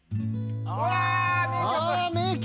うわ名曲。